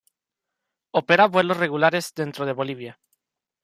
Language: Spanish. Opera vuelos regulares dentro de Bolivia.